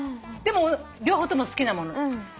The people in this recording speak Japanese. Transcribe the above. でも両方とも好きなもの。